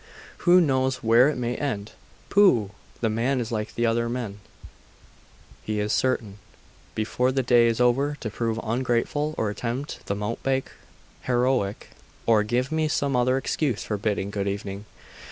Who knows where it may end? Pooh! The man is like other men. He is certain, before the day is over, to prove ungrateful, or attempt the mountebank heroic, or give me some other excuse for bidding good evening.